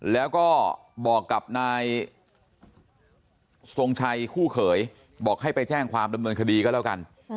แล้วก็บอกกับนายทรงชัยคู่เขยบอกให้ไปแจ้งความดำเนินคดีก็แล้วกัน